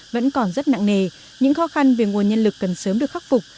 vẫn còn rất nặng nề những khó khăn về nguồn nhân lực cần sớm được khắc phục